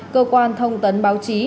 cơ quan thông tấn báo chí